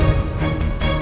aku akan menang